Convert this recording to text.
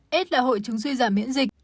aids là hội chứng suy giảm miễn dịch